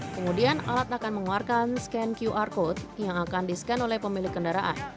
kemudian alat akan mengeluarkan scan qr code yang akan di scan oleh pemilik kendaraan